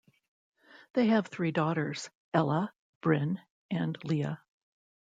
They have three daughters: Ella, Brynn and Leah.